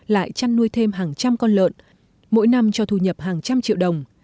lại chăn nuôi thêm hàng trăm con lợn mỗi năm cho thu nhập hàng trăm triệu đồng